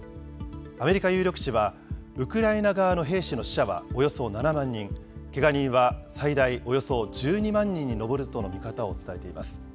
アメリカ有力紙は、ウクライナ側の兵士の死者はおよそ７万人、けが人は最大およそ１２万人に上るとの見方を伝えています。